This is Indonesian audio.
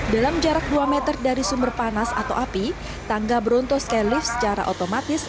dalam jarak dua meter dari sumber panas atau api tangga bronto skylift secara otomatis